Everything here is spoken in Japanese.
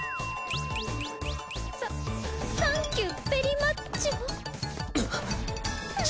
サッサンキューベリマッチョ。